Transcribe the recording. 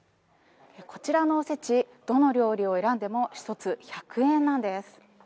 こちらのおせち、どの料理を選んでも、一つ１００円なんです。